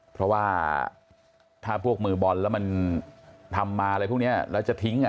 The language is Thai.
เพราะว่าถ้าพวกมือบอลแล้วมันทำมาอะไรพวกนี้แล้วจะทิ้ง